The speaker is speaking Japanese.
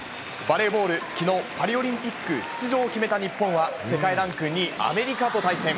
バレーボール、きのうパリオリンピック出場を決めた日本は、世界ランク２位、アメリカと対戦。